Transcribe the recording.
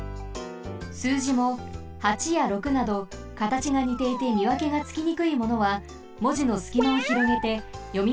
すうじも８や６などかたちがにていてみわけがつきにくいものはもじのすきまをひろげてよみ